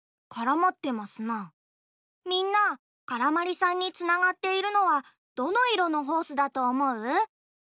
みんなからまりさんにつながっているのはどのいろのホースだとおもう？